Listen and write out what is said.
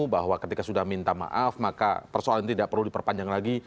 bahwa ketika sudah minta maaf maka persoalan ini tidak perlu diperpanjang lagi